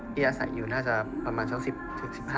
ที่อาศัยอยู่น่าจะประมาณ๑๐๑๕ปีได้